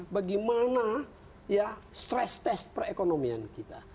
bagaimana ya stress test perekonomian kita